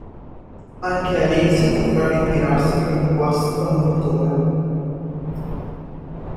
Anche Alesi dovrà ritirarsi per guasto al motore.